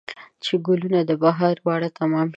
چې ګلونه د بهار واړه تمام شي